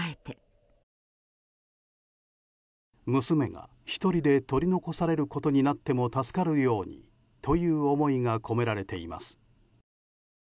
娘が１人で取り残されることになっても助かるようにという思いが込められています。